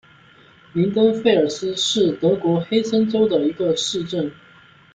林登费尔斯是德国黑森州的一个市镇。